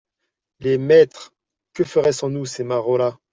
Les maîtres ! que feraient sans nous ces marauds-là ?